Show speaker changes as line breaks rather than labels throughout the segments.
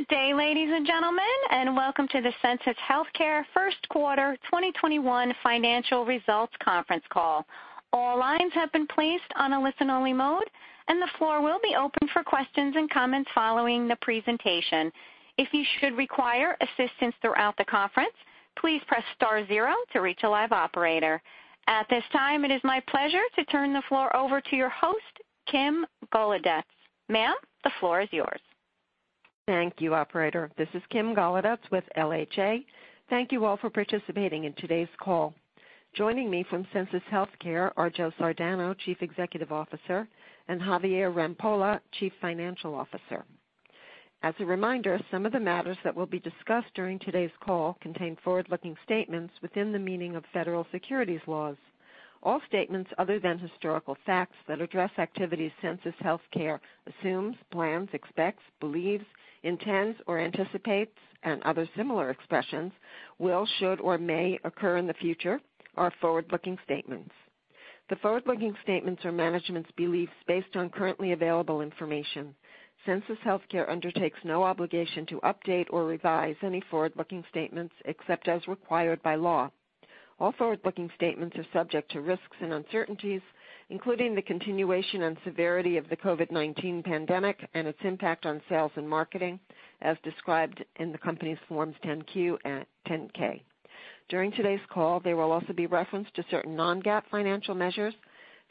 Good day, ladies and gentlemen, and welcome to the Sensus Healthcare first quarter 2021 financial results conference call. At this time, it is my pleasure to turn the floor over to your host, Kim Golodetz. Ma'am, the floor is yours.
Thank you, operator. This is Kim Golodetz with LHA. Thank you all for participating in today's call. Joining me from Sensus Healthcare are Joe Sardano, Chief Executive Officer, and Javier Rampolla, Chief Financial Officer. As a reminder, some of the matters that will be discussed during today's call contain forward-looking statements within the meaning of federal securities laws. All statements other than historical facts that address activities Sensus Healthcare assumes, plans, expects, believes, intends, or anticipates, and other similar expressions will, should, or may occur in the future, are forward-looking statements. The forward-looking statements are management's beliefs based on currently available information. Sensus Healthcare undertakes no obligation to update or revise any forward-looking statements except as required by law. All forward-looking statements are subject to risks and uncertainties, including the continuation and severity of the COVID-19 pandemic and its impact on sales and marketing, as described in the company's Forms 10-Q and 10-K. During today's call, there will also be reference to certain non-GAAP financial measures.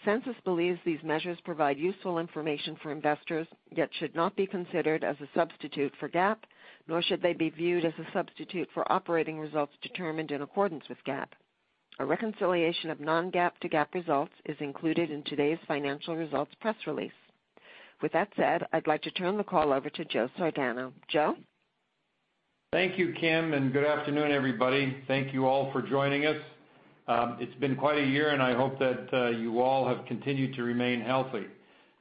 Sensus believes these measures provide useful information for investors, yet should not be considered as a substitute for GAAP, nor should they be viewed as a substitute for operating results determined in accordance with GAAP. A reconciliation of non-GAAP to GAAP results is included in today's financial results press release. With that said, I'd like to turn the call over to Joe Sardano. Joe?
Thank you, Kim, good afternoon, everybody. Thank you all for joining us. It's been quite a year, and I hope that you all have continued to remain healthy.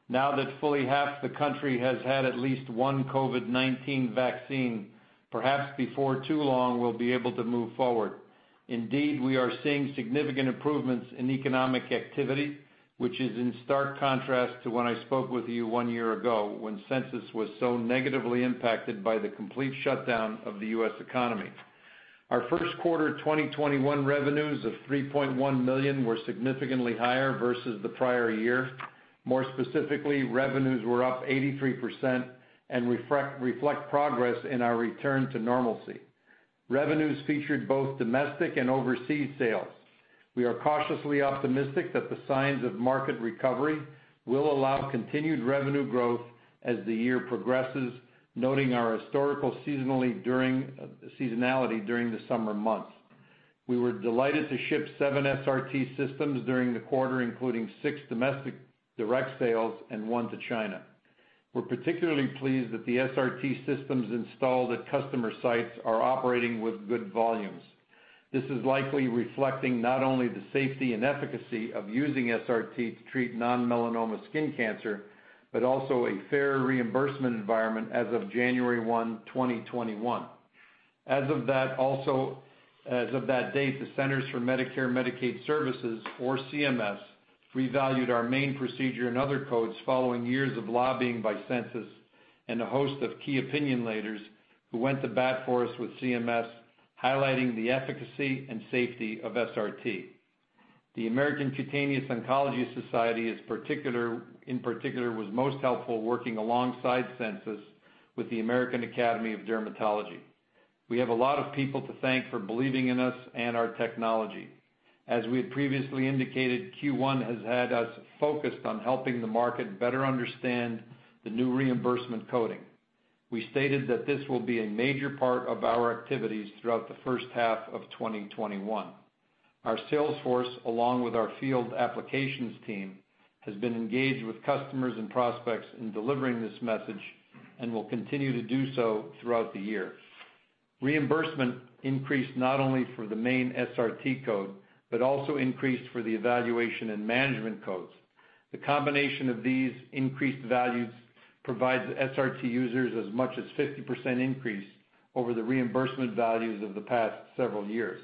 Now that fully half the country has had at least one COVID-19 vaccine, perhaps before too long, we'll be able to move forward. Indeed, we are seeing significant improvements in economic activity, which is in stark contrast to when I spoke with you one year ago when Sensus was so negatively impacted by the complete shutdown of the U.S. economy. Our first quarter 2021 revenues of $3.1 million were significantly higher versus the prior year. More specifically, revenues were up 83% and reflect progress in our return to normalcy. Revenues featured both domestic and overseas sales. We are cautiously optimistic that the signs of market recovery will allow continued revenue growth as the year progresses, noting our historical seasonality during the summer months. We were delighted to ship seven SRT systems during the quarter, including six domestic direct sales and one to China. We're particularly pleased that the SRT systems installed at customer sites are operating with good volumes. This is likely reflecting not only the safety and efficacy of using SRT to treat non-melanoma skin cancer, but also a fair reimbursement environment as of January 1, 2021. As of that date, the Centers for Medicare & Medicaid Services, or CMS, revalued our main procedure and other codes following years of lobbying by Sensus and a host of key opinion leaders who went to bat for us with CMS, highlighting the efficacy and safety of SRT. The American Cutaneous Oncology Society in particular, was most helpful working alongside Sensus with the American Academy of Dermatology. We have a lot of people to thank for believing in us and our technology. As we had previously indicated, Q1 has had us focused on helping the market better understand the new reimbursement coding. We stated that this will be a major part of our activities throughout the first half of 2021. Our sales force, along with our field applications team, has been engaged with customers and prospects in delivering this message and will continue to do so throughout the year. Reimbursement increased not only for the main SRT code, but also increased for the evaluation and management codes. The combination of these increased values provides SRT users as much as 50% increase over the reimbursement values of the past several years.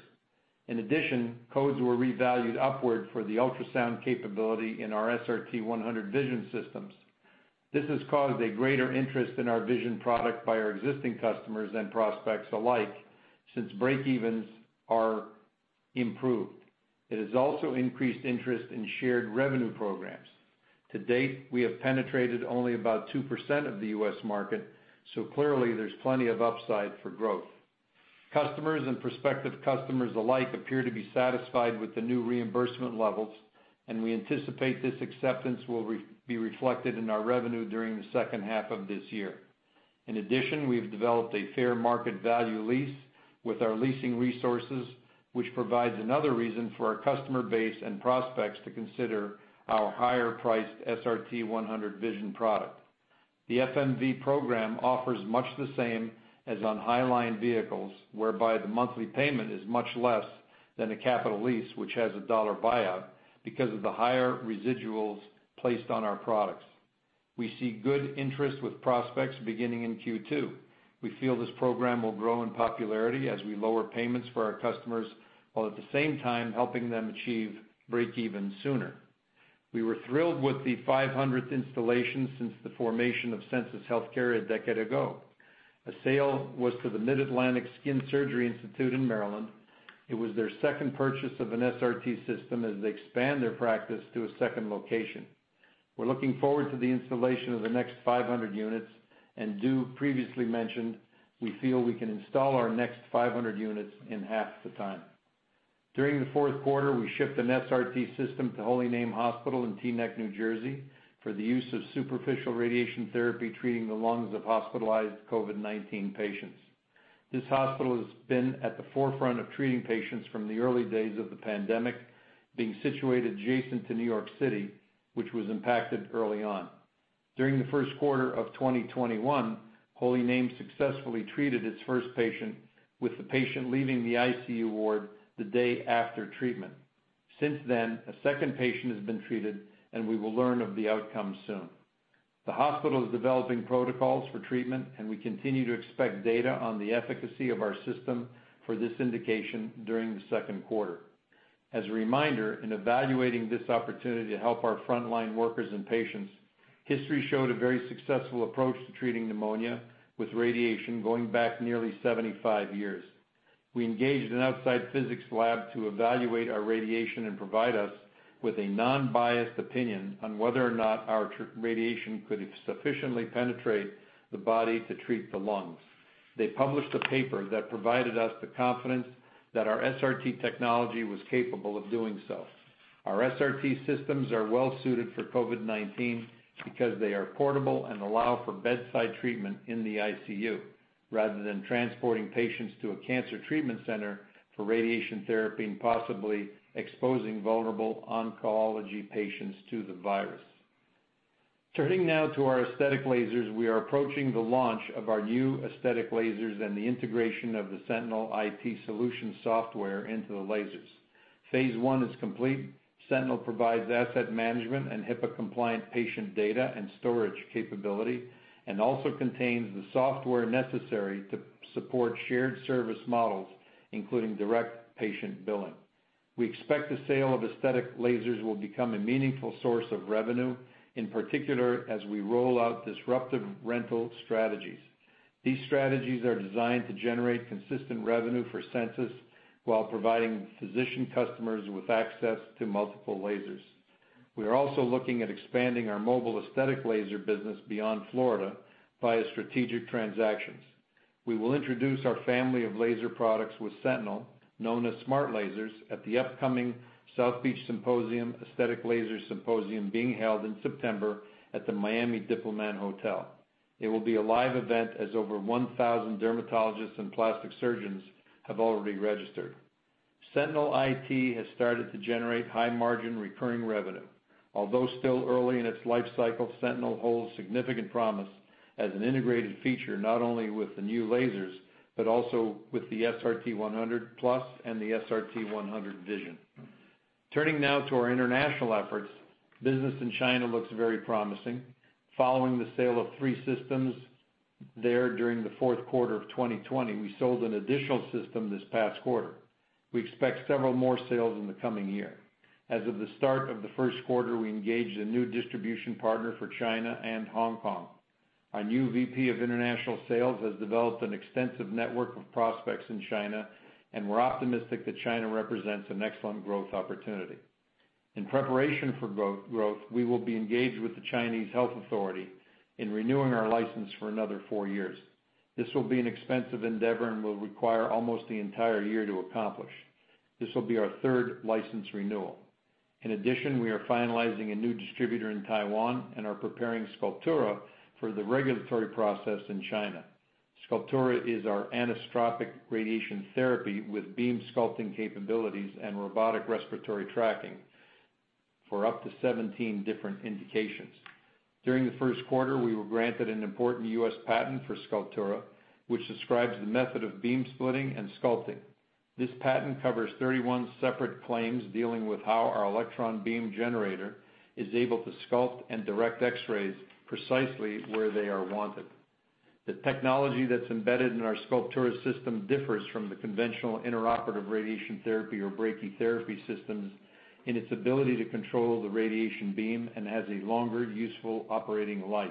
In addition, codes were revalued upward for the ultrasound capability in our SRT-100 Vision systems. This has caused a greater interest in our Vision product by our existing customers and prospects alike, since breakevens are improved. It has also increased interest in shared revenue programs. To date, we have penetrated only about 2% of the U.S. market, so clearly there's plenty of upside for growth. Customers and prospective customers alike appear to be satisfied with the new reimbursement levels, and we anticipate this acceptance will be reflected in our revenue during the second half of this year. In addition, we have developed a fair market value lease with our leasing resources, which provides another reason for our customer base and prospects to consider our higher priced SRT-100 Vision product. The FMV program offers much the same as on high-line vehicles, whereby the monthly payment is much less than a capital lease, which has a dollar buyout because of the higher residuals placed on our products. We see good interest with prospects beginning in Q2. We feel this program will grow in popularity as we lower payments for our customers, while at the same time helping them achieve breakeven sooner. We were thrilled with the 500th installation since the formation of Sensus Healthcare a decade ago. A sale was to the Mid-Atlantic Skin Surgery Institute in Maryland. It was their second purchase of an SRT system as they expand their practice to a second location. We're looking forward to the installation of the next 500 units, and as do previously mentioned, we feel we can install our next 500 units in half the time. During the fourth quarter, we shipped an SRT system to Holy Name Medical Center in Teaneck, New Jersey, for the use of superficial radiation therapy treating the lungs of hospitalized COVID-19 patients. This hospital has been at the forefront of treating patients from the early days of the pandemic, being situated adjacent to New York City, which was impacted early on. During the first quarter of 2021, Holy Name successfully treated its first patient, with the patient leaving the ICU ward the day after treatment. Since then, a second patient has been treated, and we will learn of the outcome soon. The hospital is developing protocols for treatment, and we continue to expect data on the efficacy of our system for this indication during the second quarter. As a reminder, in evaluating this opportunity to help our frontline workers and patients, history showed a very successful approach to treating pneumonia with radiation going back nearly 75 years. We engaged an outside physics lab to evaluate our radiation and provide us with a non-biased opinion on whether or not our radiation could sufficiently penetrate the body to treat the lungs. They published a paper that provided us the confidence that our SRT technology was capable of doing so. Our SRT systems are well suited for COVID-19 because they are portable and allow for bedside treatment in the ICU, rather than transporting patients to a cancer treatment center for radiation therapy and possibly exposing vulnerable oncology patients to the virus. Turning now to our aesthetic lasers. We are approaching the launch of our new aesthetic lasers and the integration of the Sentinel IT Solutions software into the lasers. Phase one is complete. Sentinel provides asset management and HIPAA-compliant patient data and storage capability, and also contains the software necessary to support shared service models, including direct patient billing. We expect the sale of aesthetic lasers will become a meaningful source of revenue, in particular, as we roll out disruptive rental strategies. These strategies are designed to generate consistent revenue for Sensus while providing physician customers with access to multiple lasers. We are also looking at expanding our mobile aesthetic laser business beyond Florida via strategic transactions. We will introduce our family of laser products with Sentinel, known as Smart Lasers, at the upcoming South Beach Symposium Aesthetic Laser Symposium being held in September at the Miami Diplomat Hotel. It will be a live event as over 1,000 dermatologists and plastic surgeons have already registered. Sentinel IT has started to generate high-margin recurring revenue. Although still early in its life cycle, Sentinel holds significant promise as an integrated feature, not only with the new lasers, but also with the SRT-100+ and the SRT-100 Vision. Turning now to our international efforts. Business in China looks very promising. Following the sale of three systems there during the fourth quarter of 2020, we sold an additional system this past quarter. We expect several more sales in the coming year. As of the start of the first quarter, we engaged a new distribution partner for China and Hong Kong. Our new VP of International Sales has developed an extensive network of prospects in China, and we're optimistic that China represents an excellent growth opportunity. In preparation for growth, we will be engaged with the Chinese Health Authority in renewing our license for another four years. This will be an expensive endeavor and will require almost the entire year to accomplish. This will be our third license renewal. We are finalizing a new distributor in Taiwan and are preparing Sculptura for the regulatory process in China. Sculptura is our anisotropic radiation therapy with beam sculpting capabilities and robotic respiratory tracking for up to 17 different indications. During the first quarter, we were granted an important U.S. patent for Sculptura, which describes the method of beam splitting and sculpting. This patent covers 31 separate claims dealing with how our electron beam generator is able to sculpt and direct X-rays precisely where they are wanted. The technology that's embedded in our Sculptura system differs from the conventional intraoperative radiation therapy or brachytherapy systems in its ability to control the radiation beam and has a longer useful operating life.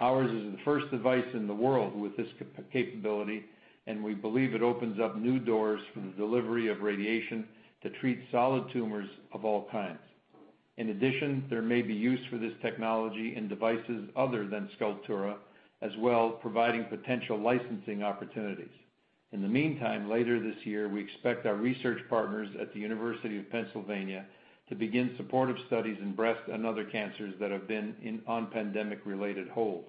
Ours is the first device in the world with this capability, and we believe it opens up new doors for the delivery of radiation to treat solid tumors of all kinds. In addition, there may be use for this technology in devices other than Sculptura as well, providing potential licensing opportunities. In the meantime, later this year, we expect our research partners at the University of Pennsylvania to begin supportive studies in breast and other cancers that have been on pandemic-related hold.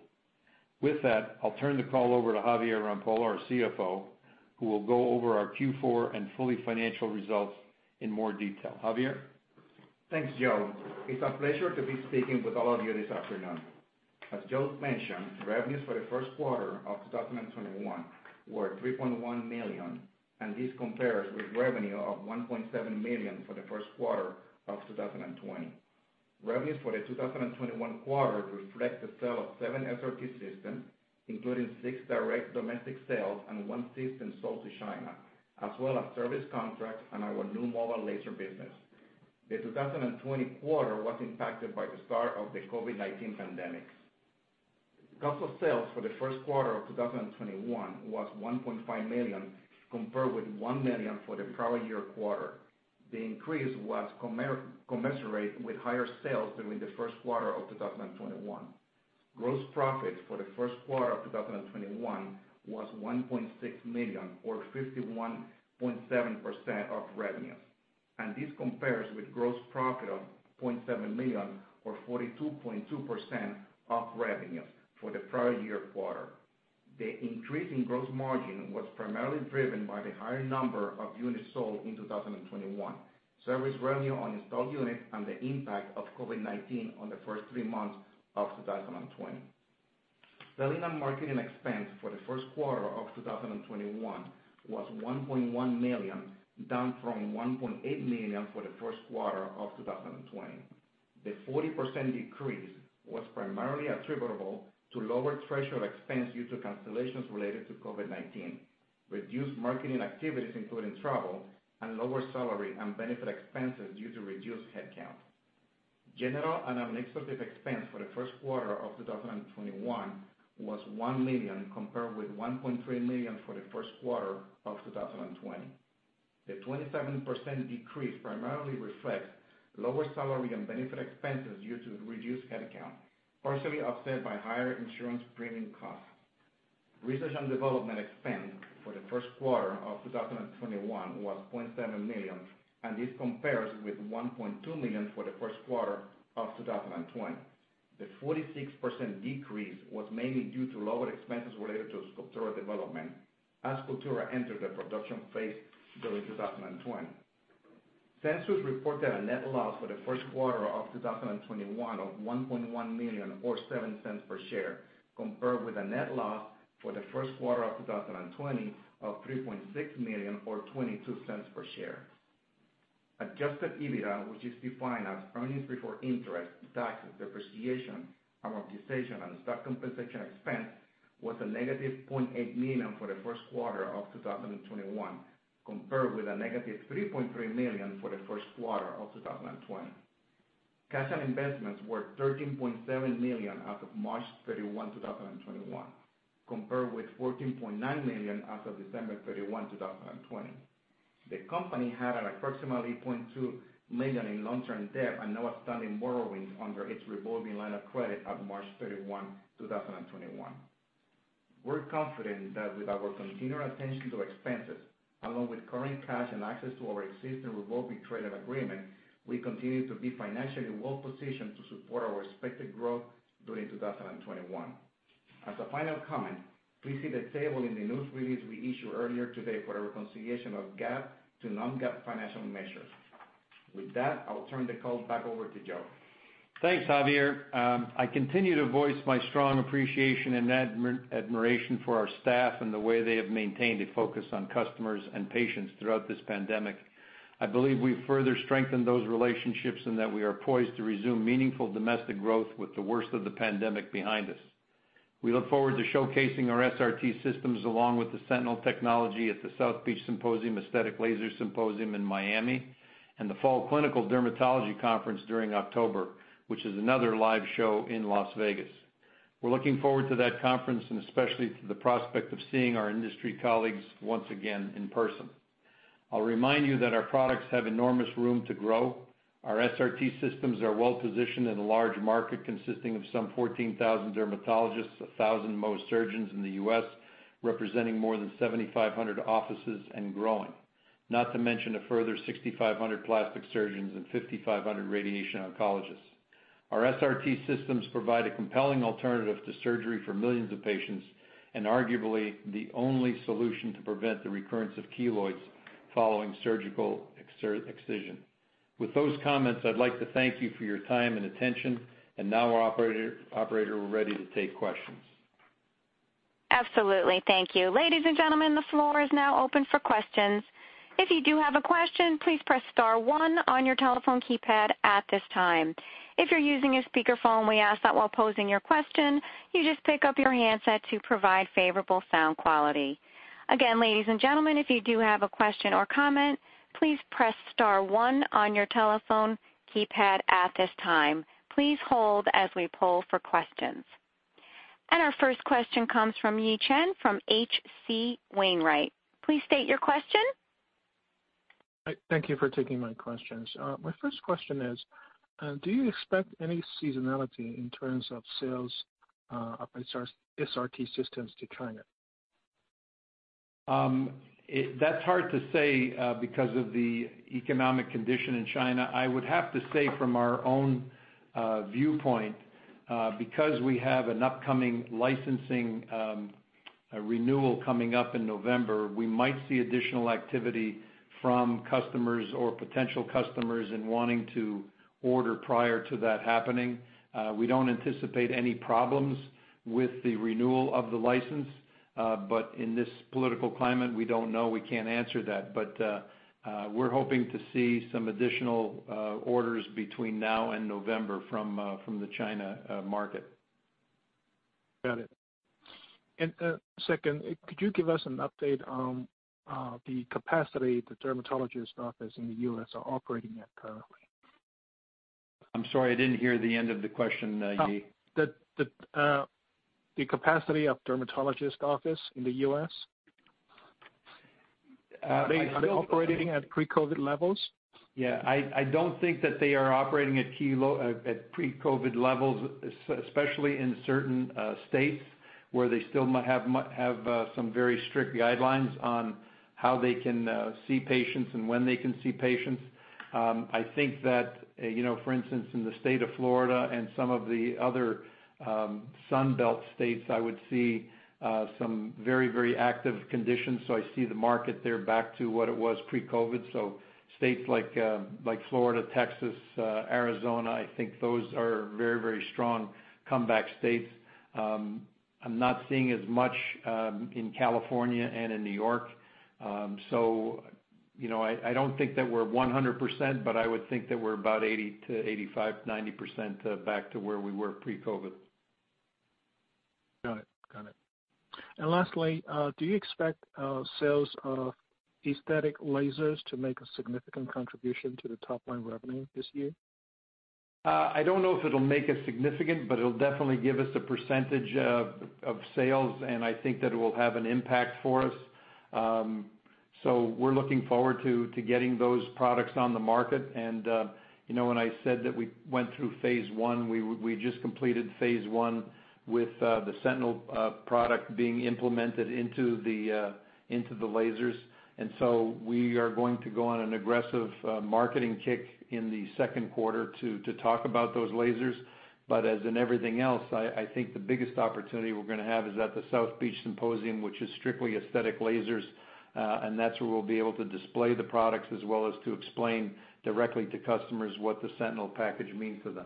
With that, I'll turn the call over to Javier Rampolla, our CFO, who will go over our Q4 and full-year financial results in more detail. Javier?
Thanks, Joe. It's a pleasure to be speaking with all of you this afternoon. As Joe mentioned, revenues for the first quarter of 2021 were $3.1 million, and this compares with revenue of $1.7 million for the first quarter of 2020. Revenues for the 2021 quarter reflect the sale of seven SRT systems, including six direct domestic sales and one system sold to China, as well as service contracts on our new mobile laser business. The 2020 quarter was impacted by the start of the COVID-19 pandemic. Cost of sales for the first quarter of 2021 was $1.5 million, compared with $1 million for the prior year quarter. The increase was commensurate with higher sales during the first quarter of 2021. Gross profit for the first quarter of 2021 was $1.6 million, or 51.7% of revenues, and this compares with gross profit of $0.7 million or 42.2% of revenues for the prior year quarter. The increase in gross margin was primarily driven by the higher number of units sold in 2021, service revenue on installed units, and the impact of COVID-19 on the first three months of 2020. Selling and marketing expense for the first quarter of 2021 was $1.1 million, down from $1.8 million for the first quarter of 2020. The 40% decrease was primarily attributable to lower travel expense due to cancellations related to COVID-19, reduced marketing activities, including travel, and lower salary and benefit expenses due to reduced headcount. General and administrative expense for the first quarter of 2021 was $1 million, compared with $1.3 million for the first quarter of 2020. The 27% decrease primarily reflects lower salary and benefit expenses due to reduced headcount, partially offset by higher insurance premium costs. Research and development expense for the first quarter of 2021 was $0.7 million, and this compares with $1.2 million for the first quarter of 2020. The 46% decrease was mainly due to lower expenses related to Sculptura development, as Sculptura entered the production phase during 2020. Sensus reported a net loss for the first quarter of 2021 of $1.1 million or $0.07 per share, compared with a net loss for the first quarter of 2020 of $3.6 million or $0.22 per share. Adjusted EBITDA, which is defined as earnings before interest, taxes, depreciation, amortization, and stock compensation expense, was a negative $0.8 million for the first quarter of 2021, compared with a negative $3.3 million for the first quarter of 2020. Cash and investments were $13.7 million as of March 31, 2021, compared with $14.9 million as of December 31, 2020. The company had approximately $0.2 million in long-term debt and no outstanding borrowings under its revolving line of credit at March 31, 2021. We're confident that with our continued attention to expenses, along with current cash and access to our existing revolving credit agreement, we continue to be financially well-positioned to support our expected growth during 2021. As a final comment, please see the table in the news release we issued earlier today for a reconciliation of GAAP to non-GAAP financial measures. With that, I will turn the call back over to Joe.
Thanks, Javier. I continue to voice my strong appreciation and admiration for our staff and the way they have maintained a focus on customers and patients throughout this pandemic. I believe we've further strengthened those relationships and that we are poised to resume meaningful domestic growth with the worst of the pandemic behind us. We look forward to showcasing our SRT systems along with the Sentinel technology at the South Beach Symposium aesthetic laser symposium in Miami and the Fall Clinical Dermatology Conference during October, which is another live show in Las Vegas. We're looking forward to that conference and especially to the prospect of seeing our industry colleagues once again in person. I'll remind you that our products have enormous room to grow. Our SRT systems are well positioned in a large market consisting of some 14,000 dermatologists, 1,000 Mohs surgeons in the U.S., representing more than 7,500 offices and growing. Not to mention a further 6,500 plastic surgeons and 5,500 radiation oncologists. Our SRT systems provide a compelling alternative to surgery for millions of patients and arguably the only solution to prevent the recurrence of keloids following surgical excision. With those comments, I'd like to thank you for your time and attention. Now, operator, we're ready to take questions.
Absolutely. Thank you. Ladies and gentlemen, the floor is now open for questions. Our first question comes from Yi Chen from H.C. Wainwright. Please state your question.
Thank you for taking my questions. My first question is, do you expect any seasonality in terms of sales of SRT systems to China?
That's hard to say, because of the economic condition in China. I would have to say from our own viewpoint, because we have an upcoming licensing renewal coming up in November, we might see additional activity from customers or potential customers in wanting to order prior to that happening. We don't anticipate any problems with the renewal of the license. In this political climate, we don't know. We can't answer that. We're hoping to see some additional orders between now and November from the China market.
Got it. Second, could you give us an update on the capacity the dermatologist office in the U.S. are operating at currently?
I'm sorry, I didn't hear the end of the question, Yi.
The capacity of dermatologist office in the U.S. Are they operating at pre-COVID levels?
Yeah, I don't think that they are operating at pre-COVID levels, especially in certain states where they still have some very strict guidelines on how they can see patients and when they can see patients. I think that, for instance, in the state of Florida and some of the other Sun Belt states, I would see some very active conditions. I see the market there back to what it was pre-COVID. States like Florida, Texas, Arizona, I think those are very strong comeback states. I'm not seeing as much in California and in New York. I don't think that we're 100%, but I would think that we're about 80%-85%, 90% back to where we were pre-COVID.
Got it. Lastly, do you expect sales of aesthetic lasers to make a significant contribution to the top-line revenue this year?
I don't know if it'll make a significant, but it'll definitely give us a percentage of sales. I think that it will have an impact for us. We're looking forward to getting those products on the market. When I said that we went through phase I, we just completed phase I with the Sentinel product being implemented into the lasers. We are going to go on an aggressive marketing kick in the second quarter to talk about those lasers. As in everything else, I think the biggest opportunity we're going to have is at the South Beach Symposium, which is strictly aesthetic lasers. That's where we'll be able to display the products as well as to explain directly to customers what the Sentinel package means for them.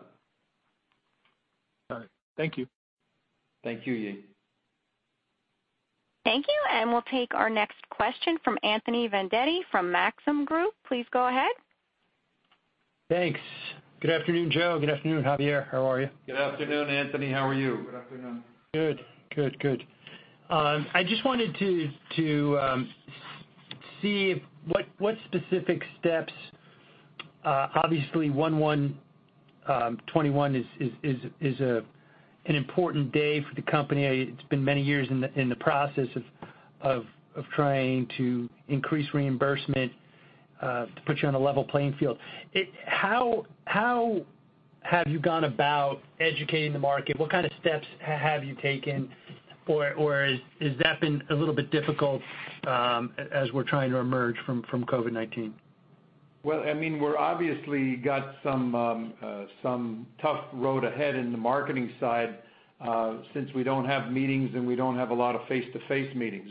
All right. Thank you.
Thank you, Yi.
Thank you. We'll take our next question from Anthony Vendetti from Maxim Group. Please go ahead.
Thanks. Good afternoon, Joe. Good afternoon, Javier. How are you?
Good afternoon, Anthony. How are you?
Good afternoon.
Good. Obviously, 1/1/2021 is an important day for the company. It's been many years in the process of trying to increase reimbursement, to put you on a level playing field. How have you gone about educating the market? What kind of steps have you taken, or has that been a little bit difficult, as we're trying to emerge from COVID-19?
We're obviously got some tough road ahead in the marketing side, since we don't have meetings, and we don't have a lot of face-to-face meetings.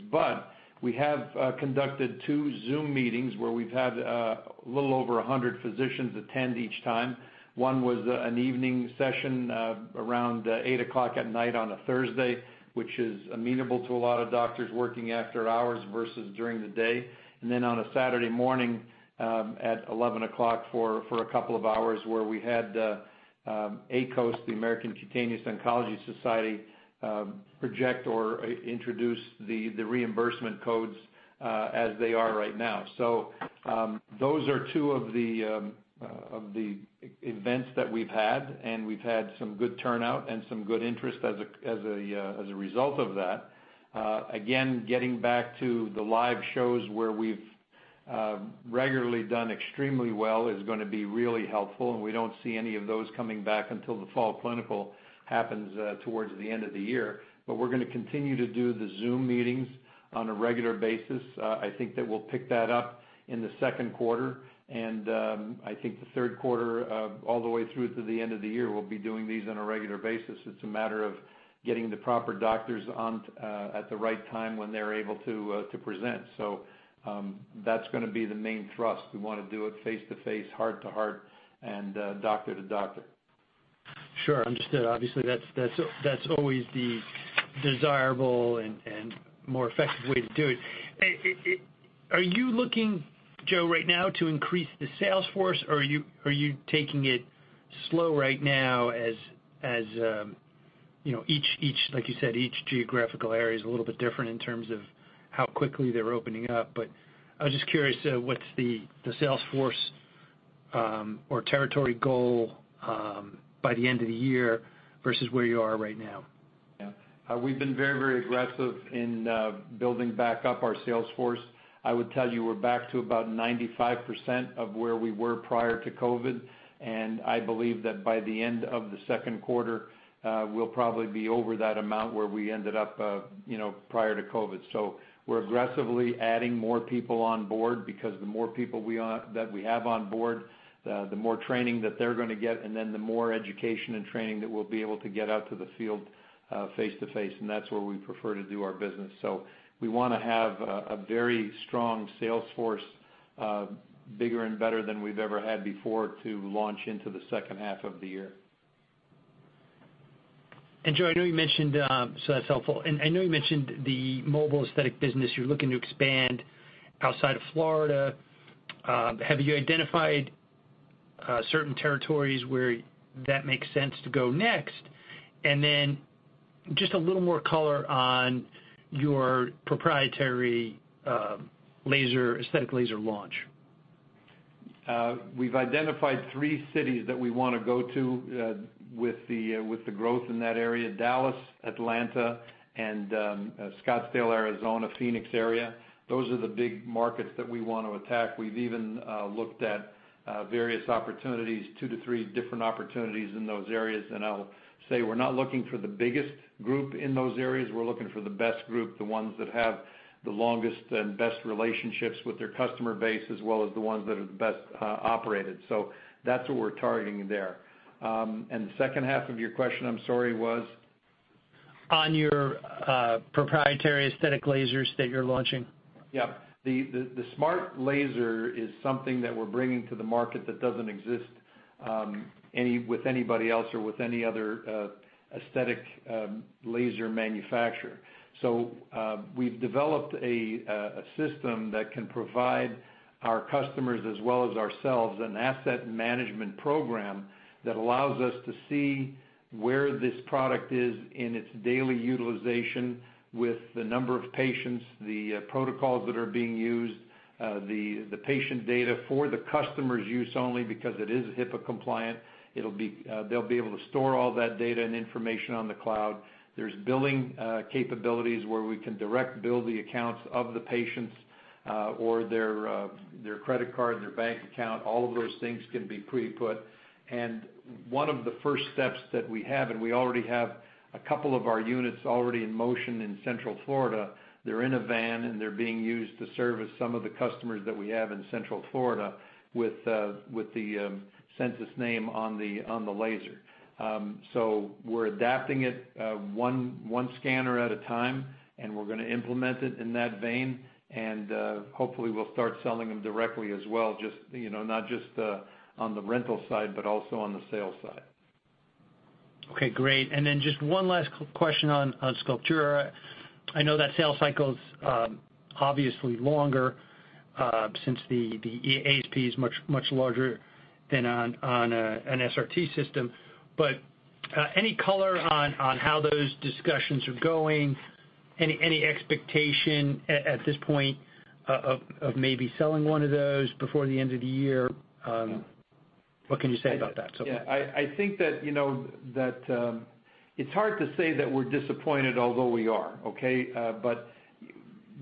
We have conducted two Zoom meetings where we've had a little over 100 physicians attend each time. One was an evening session around 8:00 P.M. on a Thursday, which is amenable to a lot of doctors working after hours versus during the day. On a Saturday morning at 11:00 A.M. for a couple of hours, where we had ACOS, the American Cutaneous Oncology Society, project or introduce the reimbursement codes as they are right now. Those are two of the events that we've had, and we've had some good turnout and some good interest as a result of that. Again, getting back to the live shows where we've regularly done extremely well is going to be really helpful. We don't see any of those coming back until the Fall Clinical happens towards the end of the year. We're going to continue to do the Zoom meetings on a regular basis. I think that we'll pick that up in the second quarter, and I think the third quarter all the way through to the end of the year, we'll be doing these on a regular basis. It's a matter of getting the proper doctors on at the right time when they're able to present. That's going to be the main thrust. We want to do it face-to-face, heart-to-heart, and doctor-to-doctor.
Sure. Understood. Obviously, that's always the desirable and more effective way to do it. Are you looking, Joe, right now to increase the sales force, or are you taking it slow right now as each, like you said, geographical area is a little bit different in terms of how quickly they're opening up? I was just curious, what's the sales force or territory goal by the end of the year versus where you are right now?
Yeah. We've been very aggressive in building back up our sales force. I would tell you we're back to about 95% of where we were prior to COVID, and I believe that by the end of the second quarter, we'll probably be over that amount where we ended up prior to COVID. We're aggressively adding more people on board because the more people that we have on board, the more training that they're going to get, and then the more education and training that we'll be able to get out to the field face-to-face, and that's where we prefer to do our business. We want to have a very strong sales force, bigger and better than we've ever had before, to launch into the second half of the year.
Joe, I know you mentioned, so that's helpful. I know you mentioned the mobile aesthetic business you're looking to expand outside of Florida. Have you identified certain territories where that makes sense to go next? Then just a little more color on your proprietary aesthetic laser launch.
We've identified three cities that we want to go to with the growth in that area, Dallas, Atlanta, and Scottsdale, Arizona, Phoenix area. Those are the big markets that we want to attack. We've even looked at various opportunities, two to three different opportunities in those areas. I'll say, we're not looking for the biggest group in those areas. We're looking for the best group, the ones that have the longest and best relationships with their customer base, as well as the ones that are the best operated. That's what we're targeting there. The second half of your question, I'm sorry, was?
On your proprietary aesthetic lasers that you're launching.
Yeah. The Smart Laser is something that we're bringing to the market that doesn't exist with anybody else or with any other aesthetic laser manufacturer. We've developed a system that can provide our customers, as well as ourselves, an asset management program that allows us to see where this product is in its daily utilization with the number of patients, the protocols that are being used, the patient data for the customer's use only because it is HIPAA compliant. They'll be able to store all that data and information on the cloud. There's billing capabilities where we can direct bill the accounts of the patients, or their credit card, their bank account, all of those things can be pre-put. One of the first steps that we have, and we already have a couple of our units already in motion in Central Florida. They're in a van, and they're being used to service some of the customers that we have in Central Florida with the Sensus name on the laser. We're adapting it one scanner at a time, and we're going to implement it in that vein. Hopefully, we'll start selling them directly as well, not just on the rental side, but also on the sales side.
Okay, great. Just one last question on Sculptura. I know that sales cycle's obviously longer since the ASP is much larger than on an SRT system. Any color on how those discussions are going? Any expectation at this point of maybe selling one of those before the end of the year? What can you say about that?
I think that it's hard to say that we're disappointed, although we are, okay.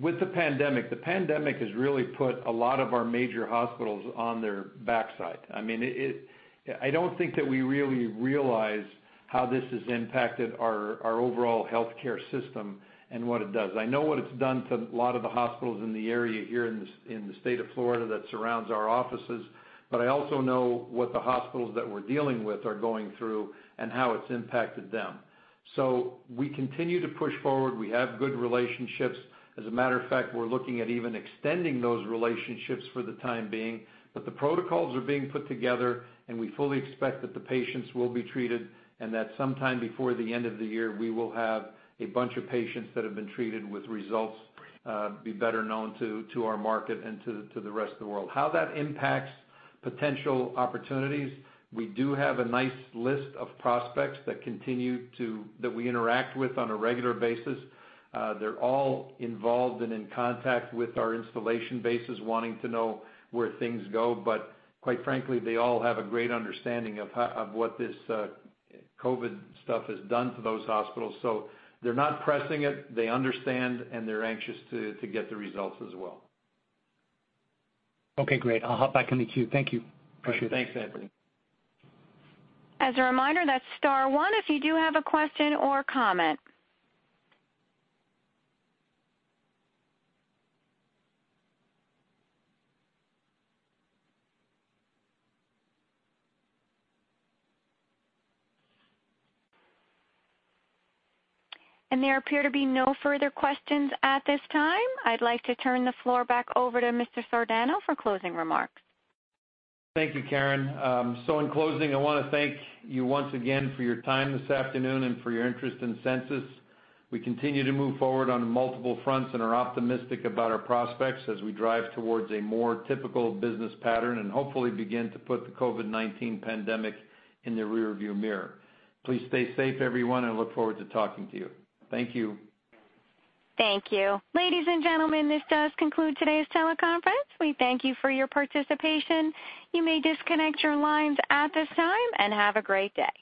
With the pandemic, the pandemic has really put a lot of our major hospitals on their backside. I don't think that we really realize how this has impacted our overall healthcare system and what it does. I know what it's done to a lot of the hospitals in the area here in the state of Florida that surrounds our offices, but I also know what the hospitals that we're dealing with are going through and how it's impacted them. We continue to push forward. We have good relationships. As a matter of fact, we're looking at even extending those relationships for the time being. The protocols are being put together, and we fully expect that the patients will be treated, and that sometime before the end of the year, we will have a bunch of patients that have been treated with results, be better known to our market and to the rest of the world. How that impacts potential opportunities, we do have a nice list of prospects that we interact with on a regular basis. They're all involved and in contact with our installation bases wanting to know where things go. Quite frankly, they all have a great understanding of what this COVID stuff has done to those hospitals. They're not pressing it. They understand, and they're anxious to get the results as well.
Okay, great. I'll hop back in the queue. Thank you. Appreciate it.
Sure. Thanks, Anthony.
As a reminder, that's star one if you do have a question or comment. There appear to be no further questions at this time. I'd like to turn the floor back over to Mr. Sardano for closing remarks.
Thank you, Karen. In closing, I want to thank you once again for your time this afternoon and for your interest in Sensus. We continue to move forward on multiple fronts and are optimistic about our prospects as we drive towards a more typical business pattern and hopefully begin to put the COVID-19 pandemic in the rear view mirror. Please stay safe, everyone, and look forward to talking to you. Thank you.
Thank you. Ladies and gentlemen, this does conclude today's teleconference. We thank you for your participation. You may disconnect your lines at this time, and have a great day.